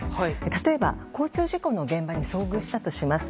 例えば、交通事故の現場に遭遇したとします。